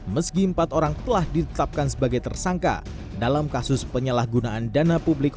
meski empat orang telah ditetapkan sebagai tersangka dalam kasus penyalahgunaan dana publik